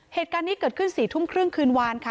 เหตุการณ์นี้เกิดขึ้น๔ทุ่มครึ่งคืนวานค่ะ